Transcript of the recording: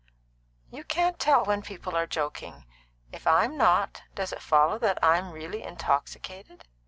"You can't tell when people are joking. If I'm not, does it follow that I'm really intoxicated?"